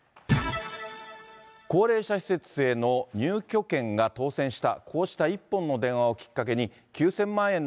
高齢者施設への入居権が当せんした。